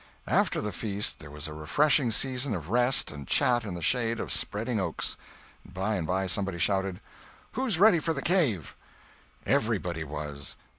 After the feast there was a refreshing season of rest and chat in the shade of spreading oaks. By and by somebody shouted: "Who's ready for the cave?" Everybody was.